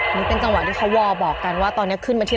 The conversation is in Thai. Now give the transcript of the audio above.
มันเป็นจังหวะที่เขาวอลบอกกันว่าตอนนี้ขึ้นมาที่